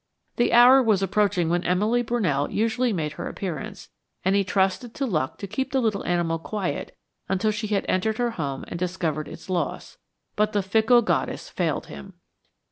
The hour was approaching when Emily Brunell usually made her appearance, and he trusted to luck to keep the little animal quiet until she had entered her home and discovered its loss, but the fickle goddess failed him.